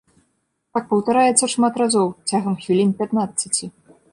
Так паўтараецца шмат разоў, цягам хвілін пятнаццаці.